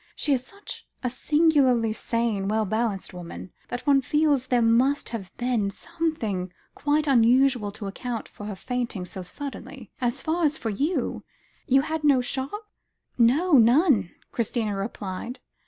"She is such a singularly sane, well balanced woman, that one feels there must have been something quite unusual to account for her fainting so suddenly. As far as you know, she had no shock?" "No; none," Christina replied.